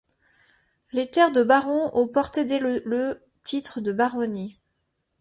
Les terres de barons ont porté dès le le titre de baronnie.